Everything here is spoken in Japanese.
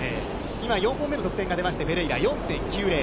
今、４本目の得点が出まして、フェレイラ４．９０。